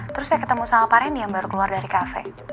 terus saya ketemu sama pak reni yang baru keluar dari kafe